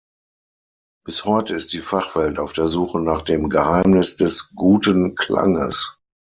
Bis heute ist die Fachwelt auf der Suche nach dem „Geheimnis“ des guten Klanges.